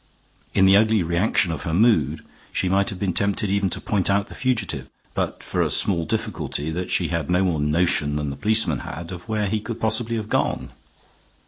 In the ugly reaction of her mood she might have been tempted even to point out the fugitive, but for a small difficulty that she had no more notion than the policemen had of where he could possibly have gone.